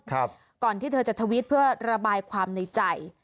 ก่อนที่เธอจะทวิตเพื่อระบายความในใจ